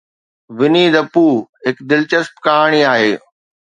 Winnie the Pooh هڪ دلچسپ ڪهاڻي آهي.